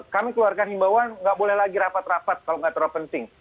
kami keluarkan himbauan nggak boleh lagi rapat rapat kalau nggak terlalu penting